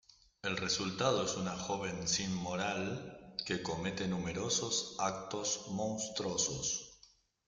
El resultado es una joven sin moral, que comete numerosos actos monstruosos.